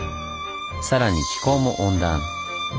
さらに気候も温暖。